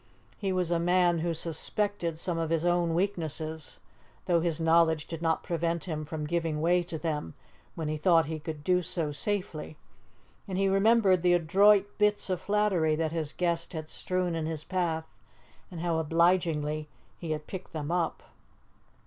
He was a man who suspected some of his own weaknesses, though his knowledge did not prevent him from giving way to them when he thought he could do so safely, and he remembered the adroit bits of flattery that his guest had strewn in his path, and how obligingly he had picked them up.